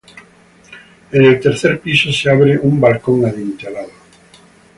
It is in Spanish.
En el tercer piso se abre un balcón adintelado.